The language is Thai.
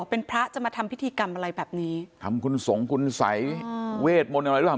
เป็นพระจะมาทำพิธีกรรมอะไรแบบนี้ทำคุณสงคุณสัยเวทมนต์อะไรหรือเปล่า